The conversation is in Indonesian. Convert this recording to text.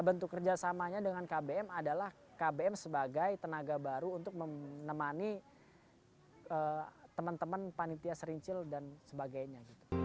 bentuk kerjasamanya dengan kbm adalah kbm sebagai tenaga baru untuk menemani teman teman panitia serincil dan sebagainya